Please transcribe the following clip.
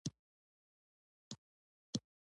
هغه د دولت د مصارفو تادیه منظوره کوي.